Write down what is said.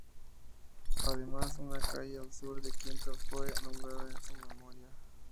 Además una calle al sur de Quito fue nombrada en su memoria.